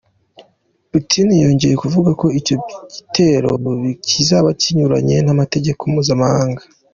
Putin yongeye kuvuga ko icyo gitero kizaba kinyuranye n’amategeko mpuzamahanga.